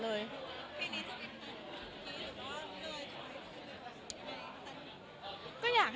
อเรนนี่ปุ๊ปอเรนนี่ปุ๊ป